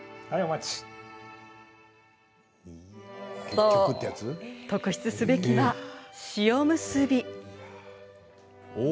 そう、特筆すべきは塩むすび。